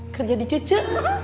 kerja di cece